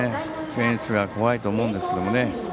フェンスが怖いと思うんですけどね